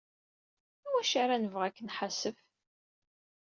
Iwacu ara nebɣu ad k-nḥasef?